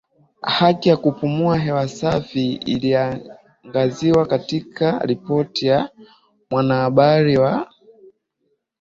haki ya kupumua hewa safi iliangaziwa katika ripoti ya Mwanahabari wa